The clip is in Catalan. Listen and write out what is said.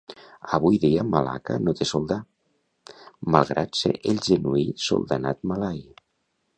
Avui dia Malaca no té soldà, malgrat ser el genuí soldanat malai.